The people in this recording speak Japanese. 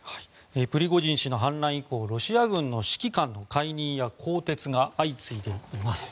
プリゴジン氏の反乱以降ロシア軍の指揮官の解任や更迭が相次いでいます。